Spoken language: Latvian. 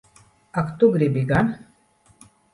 Ak tu gribi gan!